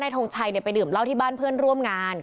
ทงชัยไปดื่มเหล้าที่บ้านเพื่อนร่วมงาน